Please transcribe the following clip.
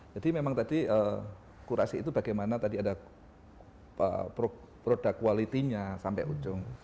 jadi memang tadi kurasi itu bagaimana tadi ada produk quality nya sampai ujung